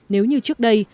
nếu như trước đây